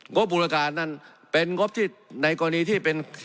บูรการนั้นเป็นงบที่ในกรณีที่เป็น